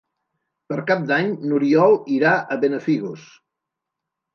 Per Cap d'Any n'Oriol irà a Benafigos.